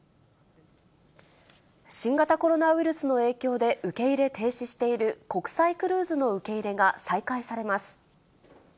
新型コロナウイルスの影響で、受け入れ停止している国際クルーズの受け入れが再開されます。